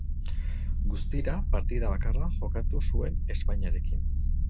Guztira partida bakarra jokatu zuen Espainiarekin.